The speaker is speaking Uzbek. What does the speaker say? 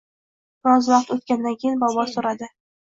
Biroz vaqt oʻtgandan keyin bobo soʻradi: